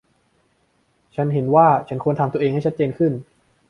ฉันเห็นว่าฉันควรทำตัวเองให้ชัดเจนขึ้น